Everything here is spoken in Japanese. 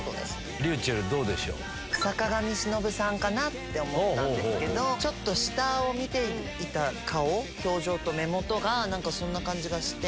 ｒｙｕｃｈｅｌｌ、どうでし坂上忍さんかなって思ったんですけど、ちょっと下を見ていた顔、表情と目元が、なんかそんな感じがして。